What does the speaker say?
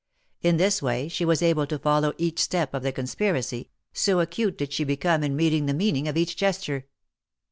In this way she was able to follow each step of the conspiracy, so acute did she become in reading the meaning of each gesture.